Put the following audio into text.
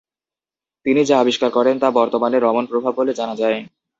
তিনি যা আবিষ্কার করেন তা বর্তমানে রমন প্রভাব বলে জানা যায়।